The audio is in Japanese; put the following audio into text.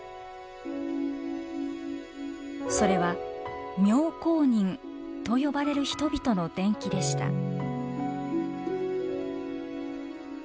それは「妙好人」と呼ばれる人々の伝記でした。